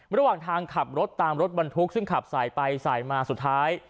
ระหว่างทางขับรถตามรถบรรทุกซึ่งขับสายไปสายมาสุดท้าย